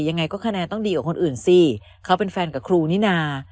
ยังไงก็คะแนนต้องดีกว่าคนอื่นสิเขาเป็นแฟนกับครูนี่นา